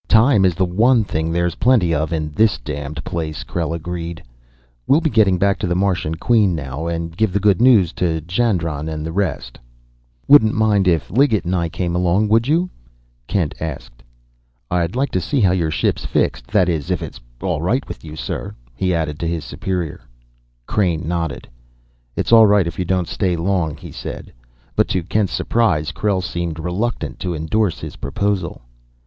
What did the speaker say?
"Time is the one thing there's plenty of in this damned place," Krell agreed. "We'll be getting back to the Martian Queen now and give the good news to Jandron and the rest." "Wouldn't mind if Liggett and I came along, would you?" Kent asked. "I'd like to see how your ship's fixed that is, if it's all right with you, sir," he added to his superior. Crain nodded. "All right if you don't stay long," he said. But, to Kent's surprise Krell seemed reluctant to endorse his proposal.